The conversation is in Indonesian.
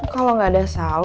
kalau nggak ada salah